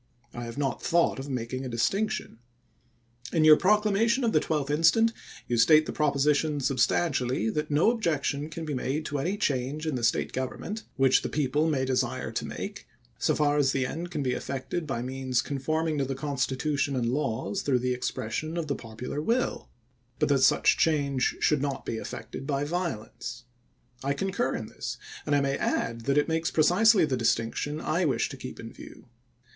I have not thought of making a distinction. In your proclamation of the 12th instant you state the proposition substantially, that no objection can be made to any change in the State government, which the people may desire to make, so far as the end can be effected by means conforming to the Constitution and laws through the expression of the popular will ; but that such change should not be effected by violence. I concur in this, and I may add that it makes precisely the distinc tion I wish to keep in view.